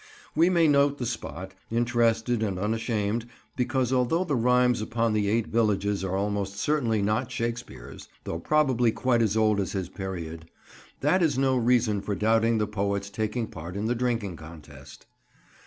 We may note the spot, interested and unashamed, because although the rhymes upon the eight villages are almost certainly not Shakespeare's—though probably quite as old as his period—that is no reason for doubting the poet's taking part in the drinking contest.